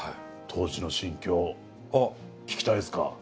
当時の心境聞きたいですか？